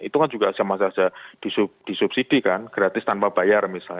itu kan juga sama saja disubsidi kan gratis tanpa bayar misalnya